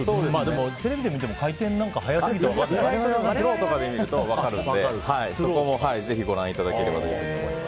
でも、テレビで見ても回転なんか速すぎてスローとかで見ると分かるのでぜひご覧いただければと思います。